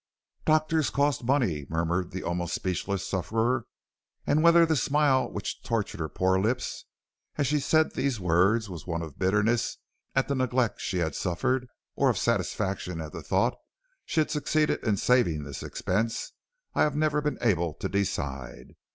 "'Doctors cost money,' murmured the almost speechless sufferer. And whether the smile which tortured her poor lips as she said these words was one of bitterness at the neglect she had suffered, or of satisfaction at the thought she had succeeded in saving this expense, I have never been able to decide.